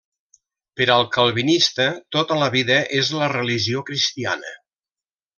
Per al calvinista, tota la vida és la religió cristiana.